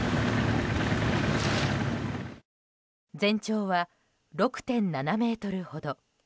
全長は６．７ｍほど。